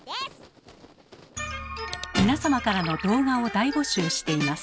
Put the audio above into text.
皆様からの動画を大募集しています。